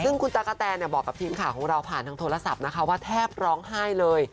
ซึ่งคุณตากะแตนบอกกับทีมข่าวของเราผ่านทางโทรศัพท์นะคะว่าแทบร้องไห้เลย